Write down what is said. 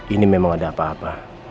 ini memang ada apa apa